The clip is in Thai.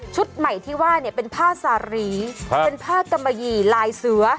ใหม่ที่ว่าเนี่ยเป็นผ้าสารีเป็นผ้ากำมะหี่ลายเสือ